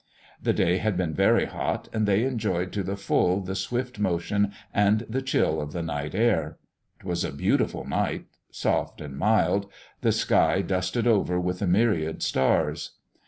The day had been very hot, and they enjoyed to the full the swift motion and the chill of the night air. It was a beautiful night, soft and mild the sky dusted over with a myriad stars.